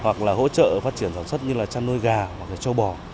hoặc là hỗ trợ phát triển sản xuất như là chăn nuôi gà hoặc là châu bò